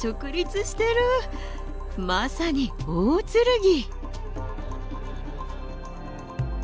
まさに「大劔」！